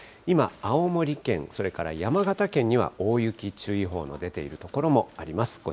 今、青森県、それから山形県には大雪注意報の出ている所もあります。